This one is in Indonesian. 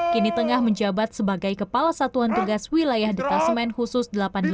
kini tengah menjabat sebagai kepala satuan tugas wilayah detasemen khusus delapan puluh delapan